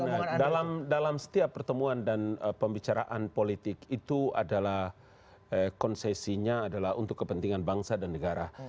nah dalam setiap pertemuan dan pembicaraan politik itu adalah konsesinya adalah untuk kepentingan bangsa dan negara